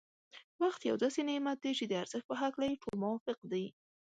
وخت یو داسې نعمت دی چي د ارزښت په هکله يې ټول موافق دی.